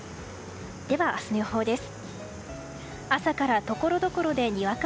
では明日の予報です。